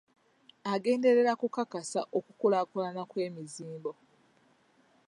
Agenderera okukakasa okukulaakulana kw'emizimbo.